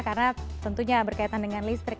karena tentunya berkaitan dengan listrik